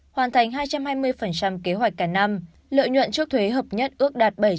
hoàn thành hai trăm hai mươi kế hoạch cả năm lợi nhuận trước thuế hợp nhất ước đạt bảy trăm năm mươi tỷ đồng